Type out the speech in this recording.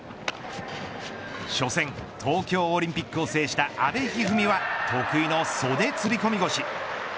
初戦、東京オリンピックを制した阿部一二三は得意の袖釣込腰。